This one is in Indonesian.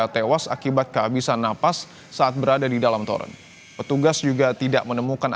sedangkan ini tidak pernah terlihat